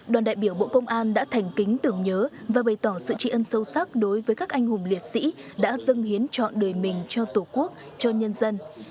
đoàn đại biểu bộ công an đã thành kính tưởng nhớ và bày tỏ sự tri ân sâu sắc đối với các anh hùng liệt sĩ đã dâng hiến chọn đời mình cho tổ quốc cho nhân dân